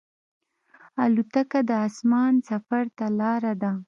الوتکه د اسمان سفر ته لاره ده.